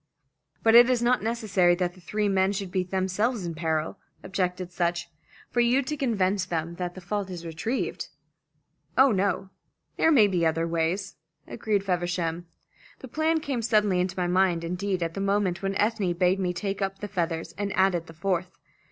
"But it is not necessary that the three men should be themselves in peril," objected Sutch, "for you to convince them that the fault is retrieved." "Oh, no. There may be other ways," agreed Feversham. "The plan came suddenly into my mind, indeed at the moment when Ethne bade me take up the feathers, and added the fourth.